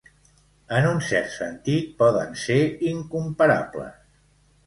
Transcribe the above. En un cert sentit, poden ser incomparables.